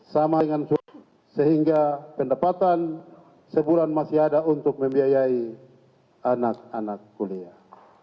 sama dengan sehingga pendapatan sebulan masih ada untuk membiayai anak anak kuliah